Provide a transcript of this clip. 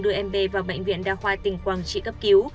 đưa mb vào bệnh viện đa khoa tỉnh quảng trị cấp cứu